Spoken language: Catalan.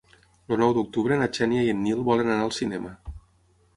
El nou d'octubre na Xènia i en Nil volen anar al cinema.